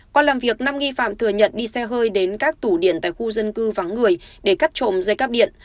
qua làm việc năm nghi phạm thừa nhận đi xe hơi đến các tủ điện tại khu dân cư vắng người để cắt trộm dây cắp điện